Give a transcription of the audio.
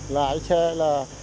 lại xe là